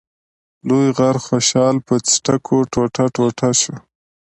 لوی غر خوشحال په څټکو ټوټه ټوټه شو.